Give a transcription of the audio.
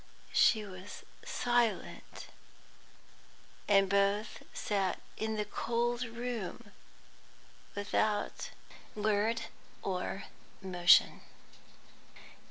She was silent, and both sat in the cold room without word or motion.